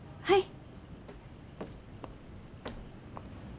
はい。